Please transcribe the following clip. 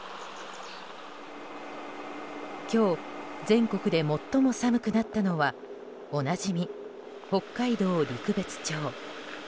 今日、全国で最も寒くなったのはおなじみ北海道陸別町。